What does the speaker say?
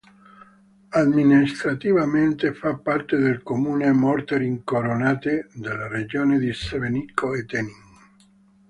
Amministrativamente, fa parte del comune Morter-Incoronate, nella regione di Sebenico e Tenin.